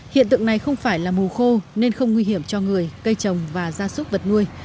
hiện tượng này không phải là mùa khô nên không nguy hiểm cho người cây trồng và gia súc vật nuôi